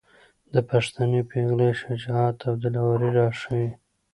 د پښتنې پېغلې شجاعت او دلاوري راښايي.